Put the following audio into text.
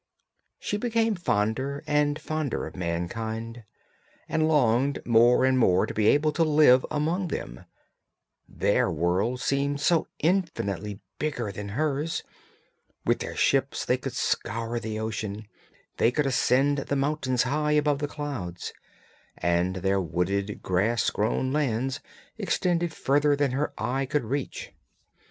She became fonder and fonder of mankind, and longed more and more to be able to live among them; their world seemed so infinitely bigger than hers; with their ships they could scour the ocean, they could ascend the mountains high above the clouds, and their wooded, grass grown lands extended further than her eye could reach.